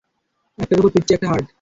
একটার উপর পিচ্চি একটা হার্ট।